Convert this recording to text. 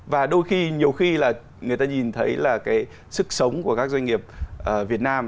và đôi khi nhiều khi là người ta nhìn thấy là cái sức sống của các doanh nghiệp việt nam